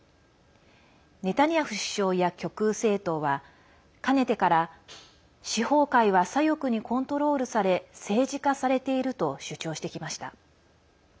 ネタニヤフ首相や極右政党はかねてから司法界は左翼にコントロールされ政治化されていると主張してきました。